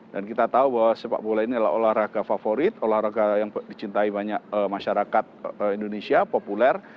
dan kita tahu bahwa sepak bola ini adalah olahraga favorit olahraga yang dicintai banyak masyarakat indonesia populer